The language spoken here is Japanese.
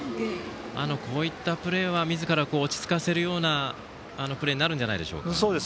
こういったプレーはみずからを落ち着かせるようなプレーになるんじゃないでしょうか。